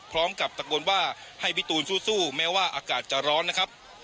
ตะโกนว่าให้พี่ตูนสู้แม้ว่าอากาศจะร้อนนะครับ